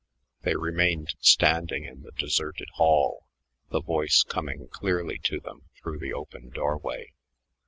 They remained standing in the deserted hall, the voice coming clearly to them through the open doorway.